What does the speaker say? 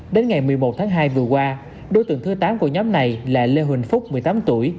đến ngày một mươi một tháng hai vừa qua đối tượng thứ tám của nhóm này là lê huỳnh phúc một mươi tám tuổi